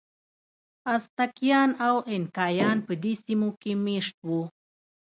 ازتکیان او اینکایان په دې سیمو کې مېشت وو.